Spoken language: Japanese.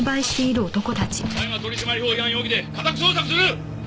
大麻取締法違反容疑で家宅捜索する！